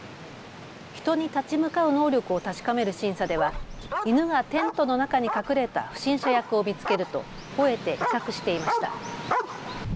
人に立ち向かう能力を確かめる審査では犬がテントの中に隠れた不審者役を見つけるとほえて威嚇していました。